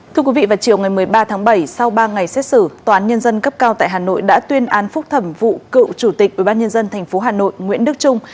thưa quý vị vào chiều ngày một mươi ba tháng bảy sau ba ngày xét xử tòa án nhân dân cấp cao tại hà nội đã tuyên án phúc thẩm vụ cựu chủ tịch ubnd tp hà nội nguyễn đức trung